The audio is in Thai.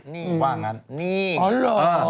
นี่อ่าหรอ